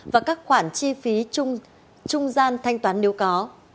và các khoản chi phí trung gian thanh toán nếu có